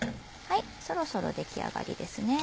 そろそろ出来上がりですね。